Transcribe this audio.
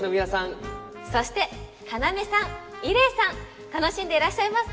そして要さん伊礼さん楽しんでいらっしゃいますか？